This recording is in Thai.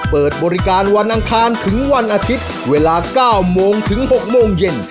เปิดบริการวันอังคารถึงวันอาทิตย์เวลา๙โมงถึง๖โมงเย็น